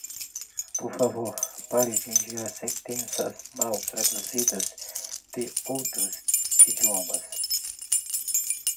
Por favor parem de enviar sentenças mal traduzidas de outros idiomas